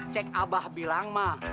cek abah bilang mah